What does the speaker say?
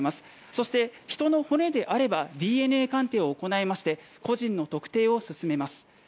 そして、人の骨であればＤＮＡ鑑定を行いまして個人の特定を進めます。